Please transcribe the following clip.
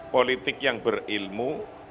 politik yang berilmu